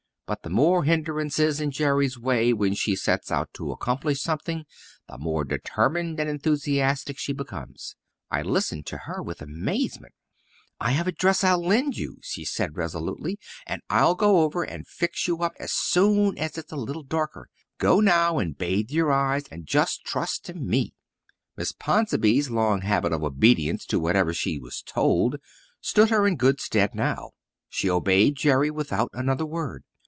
But the more hindrances in Jerry's way when she sets out to accomplish something the more determined and enthusiastic she becomes. I listened to her with amazement. "I have a dress I'll lend you," she said resolutely. "And I'll go over and fix you up as soon as it's a little darker. Go now and bathe your eyes and just trust to me." Miss Ponsonby's long habit of obedience to whatever she was told stood her in good stead now. She obeyed Jerry without another word.